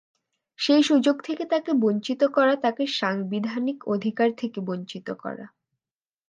সেই সুযোগ থেকে তাকে বঞ্চিত করা তাকে সাংবিধানিক অধিকার থেকে বঞ্চিত করা।